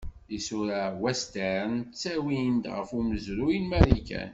Isura western ttawin-d ɣef umezruy n Marikan.